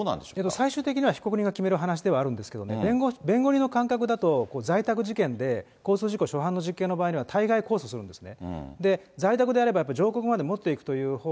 最終的には被告人が決める話ではあるんですけれども、弁護人の感覚だと、在宅事件で、控訴じこう初犯の事件の場合は、大概、控訴するんですね。